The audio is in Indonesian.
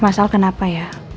masal kenapa ya